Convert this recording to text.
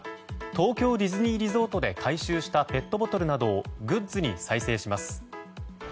東京ディズニーリゾートで回収したペットボトルなどをグッズに再生します。